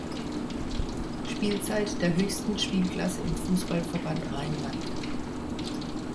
Spielzeit der höchsten Spielklasse im Fußballverband Rheinland.